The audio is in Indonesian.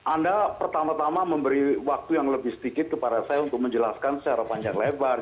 anda pertama tama memberi waktu yang lebih sedikit kepada saya untuk menjelaskan secara panjang lebar